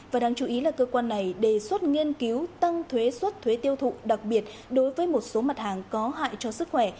và đáng chú ý là cơ quan này đề xuất nghiên cứu tăng thuế xuất thuế tiêu thụ đặc biệt đối với một số mặt hàng có hại cho sức khỏe